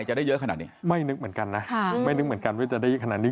จะได้เยอะขนาดนี้ไม่นึกเหมือนกันนะไม่นึกเหมือนกันว่าจะได้ขนาดนี้